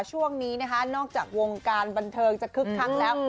ช่วงนี้นะคะนอกจากวงการบันเทิงจะคึกคักแล้ว